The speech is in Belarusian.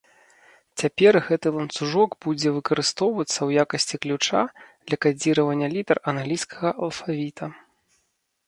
Цяпер гэты ланцужок будзе выкарыстоўвацца ў якасці ключа для кадзіравання літар англійскага алфавіта.